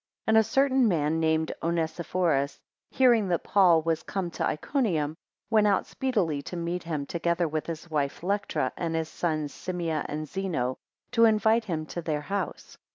4 And a certain man named Onesiphorus, hearing that Paul was come to Iconium, went out speedily to meet him, together with his wife Lectra, and his sons Simmia and Zeno, to invite him to their house.